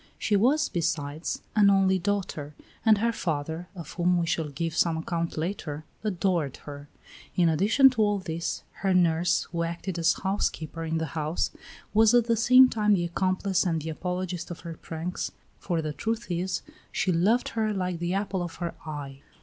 She was, besides, an only daughter, and her father, of whom we shall give some account later, adored her. In addition to all this, her nurse, who acted as housekeeper in the house, was at the same time the accomplice and the apologist of her pranks, for the truth is she loved her like the apple of her eye.